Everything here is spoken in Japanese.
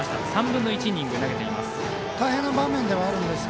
３分の１イニング投げています。